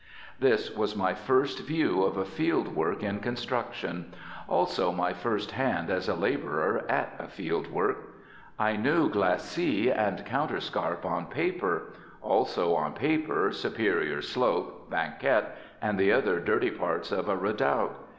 This was my first view of a field work in construction, also, my first hand as a laborer at a field work. I knew glacis and counterscarp on paper; also, on paper, superior slope, banquette, and the other dirty parts of a redoubt.